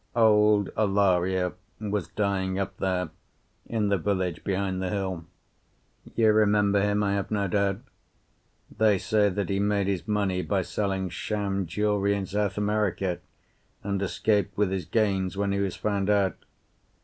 Old Alario was dying up there in the village behind the hill. You remember him, I have no doubt. They say that he made his money by selling sham jewellery in South America, and escaped with his gains when he was found out.